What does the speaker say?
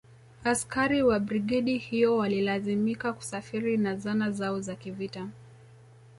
Askari wa brigedi hiyo walilazimika kusafiri na zana zao za kivita